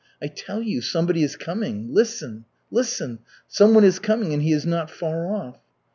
"I tell you, somebody is coming. Listen, listen! Someone is coming and he is not far off."